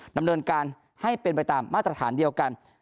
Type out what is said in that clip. ดำเนินการให้เป็นไปตามมาตรฐานเดียวกัน